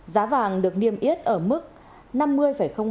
giá vàng được niêm yết ở mức năm mươi hai năm mươi ba triệu đồng một lượng